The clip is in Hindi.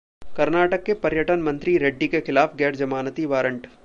कर्नाटक के पर्यटन मंत्री रेड्डी के खिलाफ गैर जमानती वारंट